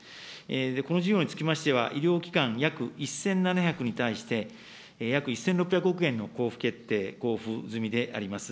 この需要につきましては、医療機関約１７００に対して、約１６００億円の交付決定、交付済みであります。